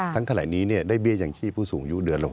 ทั้งขณะนี้เนี่ยได้เบี้ยจังชีพผู้สูงยุเดือนละ๖๐๐